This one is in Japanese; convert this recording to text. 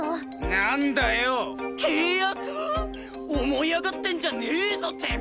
思い上がってんじゃねえぞてめえ！